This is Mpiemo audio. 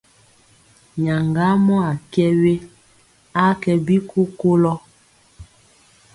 Nyaŋgamɔ a kɛ we, a kɛ bi kokolɔ.